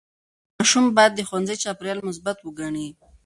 ماشوم باید د ښوونځي چاپېریال مثبت وګڼي.